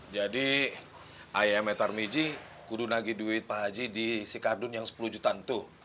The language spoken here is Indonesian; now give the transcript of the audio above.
jadi ayah sama tarmi ji kudu nagi duit pak haji di si kardun yang sepuluh jutaan